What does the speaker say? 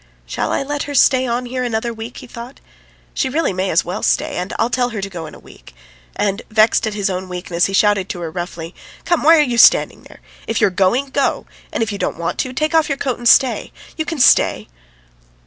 "Shall I let her stay on here another week?" he thought. "She really may as well stay, and I'll tell her to go in a week;" and vexed at his own weakness, he shouted to her roughly: "Come, why are you standing there? If you are going, go; and if you don't want to, take off your coat and stay! You can stay!"